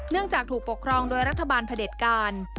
เนื่องจากถูกปกครองโดยรัฐบาลพระเด็ดกาล